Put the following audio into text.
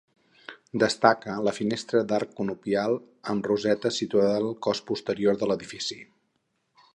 Destaca la finestra d'arc conopial amb roseta situada al cos posterior de l'edifici.